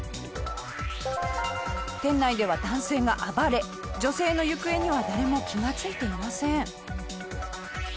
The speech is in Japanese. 店内では男性が暴れ女性の行方には誰も気が付いていません。